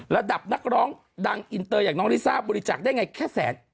ระดับนักร้องดังอินเตอร์อย่างน้องลิซ่าบริจาคได้ไงแค่แสน